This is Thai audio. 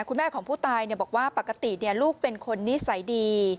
คุณแม่ของผู้ตายบอกว่าปกติลูกเป็นคนนิสัยดี